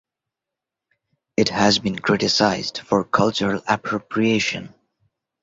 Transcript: It has been criticized for cultural appropriation.